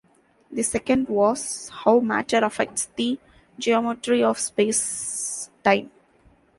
The second was how matter affects the geometry of space-time.